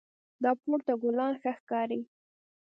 دا پورته ګلان ښه ښکاري